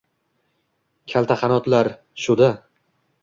Kalta qanotlar — shu-da!»